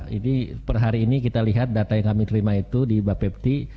jadi per hari ini kita lihat data yang kami terima itu di bapepti